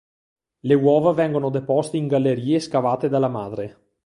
Le uova vengono deposte in gallerie scavate dalla madre.